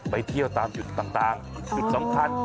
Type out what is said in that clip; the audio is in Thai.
ไปเที่ยวตามจุดต่างจุดสำคัญ